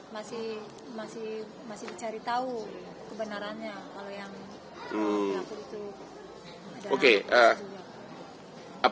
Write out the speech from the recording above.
masih mencari tahu kebenarannya kalau yang pelaku itu adalah